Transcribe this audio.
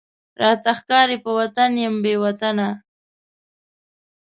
راته ښکاری په وطن یم بې وطنه،